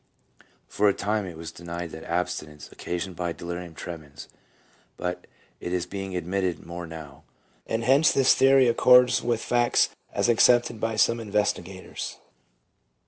For a time it was denied that abstinence occasioned delirium tremens, but it is being admitted more now; and hence this theory accords with facts as accepted by some investigators.